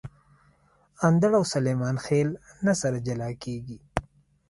اندړ او سلیمان خېل نه سره جلاکیږي